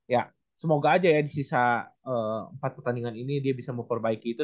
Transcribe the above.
ya semoga aja ya di sisa empat pertandingan ini dia bisa memperbaiki itu